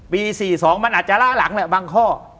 ๔๒มันอาจจะล่าหลังแหละบางข้อ